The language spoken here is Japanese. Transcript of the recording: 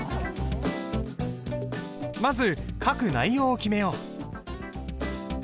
まず書く内容を決めよう。